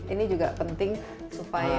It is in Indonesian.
ini juga penting supaya